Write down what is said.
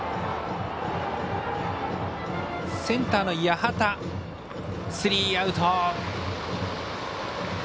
センターの八幡スリーアウト。